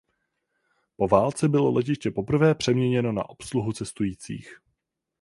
Po válce bylo letiště poprvé přeměněno na obsluhu cestujících.